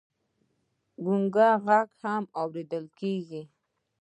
د ګونګ غږ هم اورېدل کېږي.